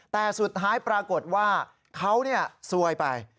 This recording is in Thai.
แต่สุดท้ายปรากฏว่าเขาซวยไป